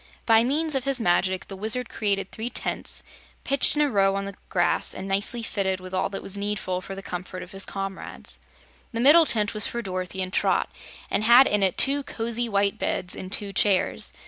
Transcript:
By means of his magic the Wizard created three tents, pitched in a row on the grass and nicely fitted with all that was needful for the comfort of his comrades. The middle tent was for Dorothy and Trot, and had in it two cosy white beds and two chairs.